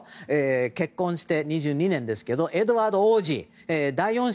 結婚して２２年ですけどエドワード王子、第４王子。